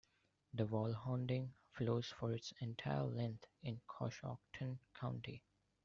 The Walhonding flows for its entire length in Coshocton County.